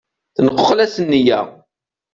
Tenquqla-s nniya.